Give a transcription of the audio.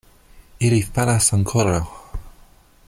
Ili falas ankoraŭ!